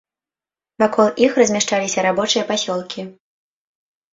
Вакол іх размяшчаліся рабочыя пасёлкі.